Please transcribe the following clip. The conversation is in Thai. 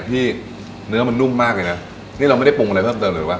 ที่เนื้อมันนุ่มมากเลยนะนี่เราไม่ได้ปรุงอะไรเพิ่มเติมเลยว่า